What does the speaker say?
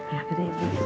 ya betul ibu